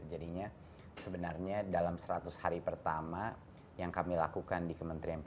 jadinya sebenarnya dalam seratus hari pertama yang kami lakukan di kementerian pp